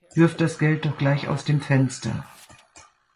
Wirf das Geld doch gleich aus dem Fenster!